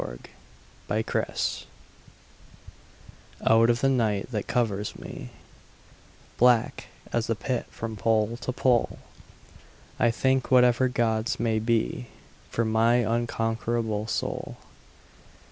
Poem[edit] Out of the night that covers me Black as the pit from pole to pole, I thank whatever gods may be For my unconquerable soul.